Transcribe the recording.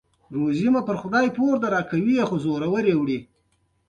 د مېلو فضا د رنګونو، خندا او شوق ډکه يي.